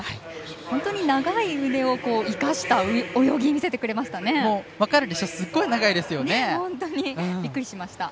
本当に長い腕を生かした泳ぎを見せてくれましたね。